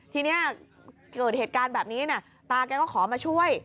ทีนี้เกิดเหตุการณ์แบบนี้นะตาแกก็ขอมาช่วย